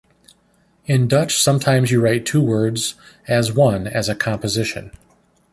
In Dutch sometimes you write two words as one as a composition.